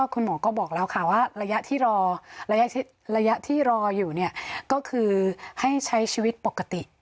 คุณหมอก็บอกแล้วค่ะว่าระยะที่รออยู่ก็คือให้ใช้ชีวิตปกติ